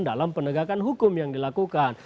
dalam penegakan hukum yang dilakukan